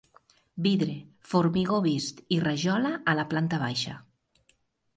Vidre, formigó vist i rajola a la planta baixa.